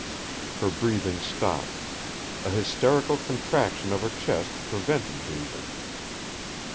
Her breathing stopped a hysterical contraction of her chest prevented breathing.